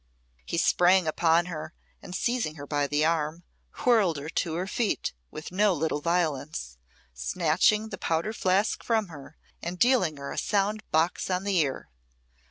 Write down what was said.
He sprang upon her, and seizing her by the arm, whirled her to her feet with no little violence, snatching the powder flask from her, and dealing her a sound box on the ear.